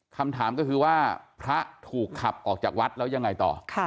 คำถามก็คือว่าพระถูกขับออกจากวัดแล้วยังไงต่อ